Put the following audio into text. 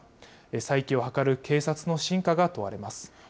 再起を図る警察の真価が問われます。